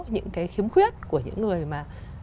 những cái khiếm khuyết của những người mà